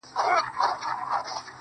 دا ده کوچي ځوانيمرگې نجلۍ تول دی.